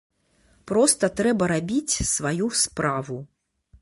Проста трэба рабіць сваю справу.